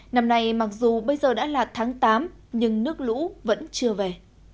năm nay mặc dù bây giờ đã là tháng tám nhưng nước lũ vẫn chưa về